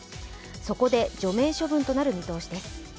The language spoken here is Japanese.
そこで、除名処分となる見通しです